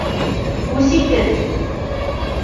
Үс итеп!